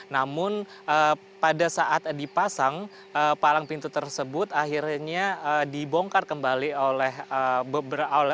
namun pada saat dipasang palang pintu tersebut akhirnya dibongkar kembali oleh oknum oknum yang tidak bertanggung jawab